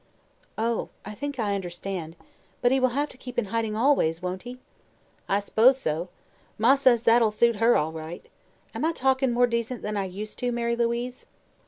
"Oh; I think I understand. But he will have to keep in hiding always, won't he?" "I s'pose so. Ma says that'll suit her, all right. Am I talkin' more decent than I used to, Mary Louise?"